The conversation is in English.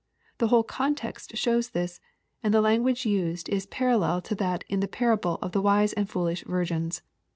The ^ hole context shows this, find the language used is parallel to that in the perable of the wise and foolish virgins.